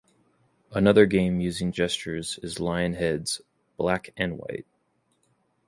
Another game using gestures is Lionhead's "Black and White".